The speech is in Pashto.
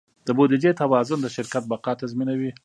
د بودیجې توازن د شرکت بقا تضمینوي.